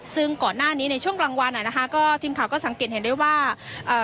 ซึ่งก่อนหน้านี้ในช่วงกลางวันอ่ะนะคะก็ทีมข่าวก็สังเกตเห็นได้ว่าเอ่อ